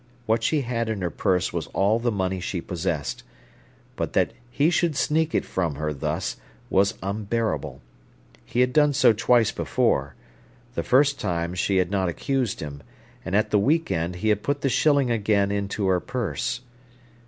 What she had in her purse was all the money she possessed. But that he should sneak it from her thus was unbearable. He had done so twice before. The first time she had not accused him, and at the week end he had put the shilling again into her purse.